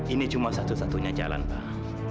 ini cuma satu satunya jalan pak